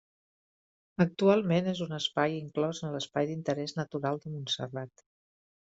Actualment és un espai inclòs en l'Espai d'Interès Natural de Montserrat.